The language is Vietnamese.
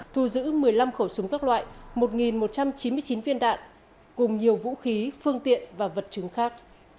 thu giữ một mươi năm khẩu súng các loại một một trăm chín mươi chín viên đạn cùng nhiều vũ khí phương tiện và vật chứng khác